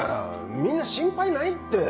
みんな心配ないって！